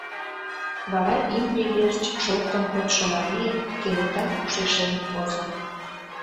Вара имне верч шортын кодшо мариет кенета ушешем возо.